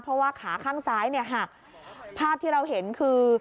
เพราะว่าขาข้างซ้ายเนี่ยหักภาพที่เราเห็นคือ